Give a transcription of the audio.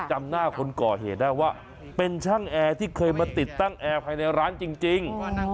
จำหน้าคนก่อเหตุได้ว่าเป็นช่างแอร์ที่เคยมาติดตั้งแอร์ภายในร้านจริง